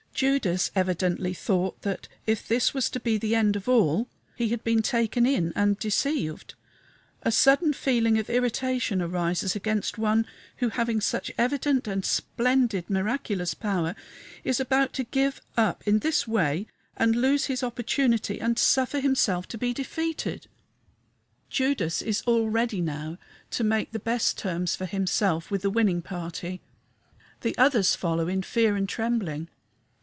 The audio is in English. Judas evidently thought that, if this was to be the end of all, he had been taken in and deceived: a sudden feeling of irritation arises against One who having such evident and splendid miraculous power is about to give up in this way and lose his opportunity and suffer himself to be defeated. Judas is all ready now to make the best terms for himself with the winning party. The others follow in fear and trembling.